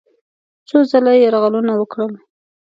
څو ځله یې یرغلونه وکړل.